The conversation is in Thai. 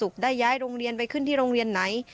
ได้ย้ายโรงเรียนไปขึ้นที่โรงเรียนไหน